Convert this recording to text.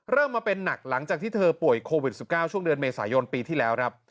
มาเป็นหนักหลังจากที่เธอป่วยโควิด๑๙ช่วงเดือนเมษายนปีที่แล้วครับ